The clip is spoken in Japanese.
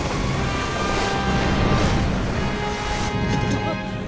あっ。